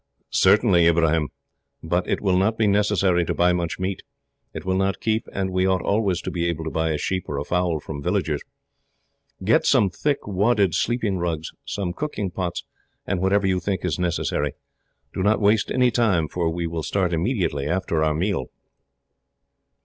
"Certainly, Ibrahim. But it will not be necessary to buy much meat. It will not keep, and we ought always to be able to buy a sheep or a fowl from villagers. Get some thick, wadded sleeping rugs, some cooking pots, and whatever you think is necessary. Do not waste any time, for we shall start immediately after our meal."